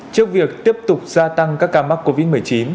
trước việc tiếp tục gia tăng các ca mắc covid một mươi chín